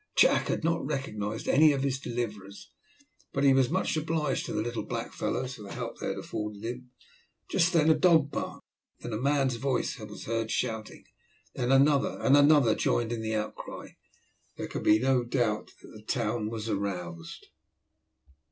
Jack had not recognised any of his deliverers, but he was much obliged to the little black fellows for the help they had afforded him. Just then a dog barked, then a man's voice was heard shouting, then another and another joined in the outcry. There could be no doubt that the town was aroused.